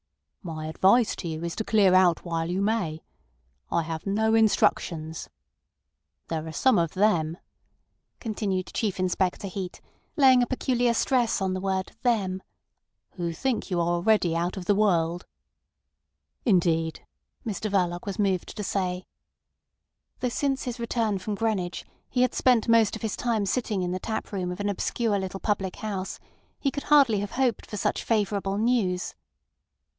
"My advice to you is to clear out while you may. I have no instructions. There are some of them," continued Chief Inspector Heat, laying a peculiar stress on the word "them," "who think you are already out of the world." "Indeed!" Mr Verloc was moved to say. Though since his return from Greenwich he had spent most of his time sitting in the tap room of an obscure little public house, he could hardly have hoped for such favourable news.